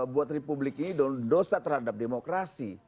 buat republik ini dan dosa terhadap demokrasi